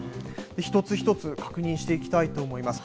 一つ一つ確認していきたいと思います。